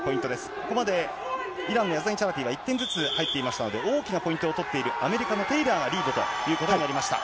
ここまでイランのヤズダニチャラティが１点ずつ入っていましたので、大きなポイントを取っている、アメリカのテイラーがリードということになりました。